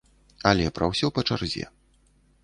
Але пра ўсё па чарзе.